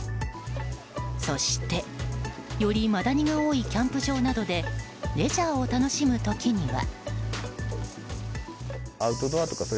そして、よりマダニが多いキャンプ場などでレジャーを楽しむ時には。